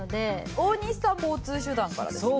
大西さん交通手段からですね。